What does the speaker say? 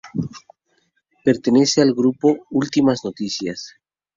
Pertenece al Grupo Últimas Noticias.